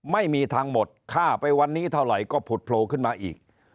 ไม่มีทางหมดค่าไปวันนี้เท่าไหร่ก็ผุดโผล่ขึ้นมาอีก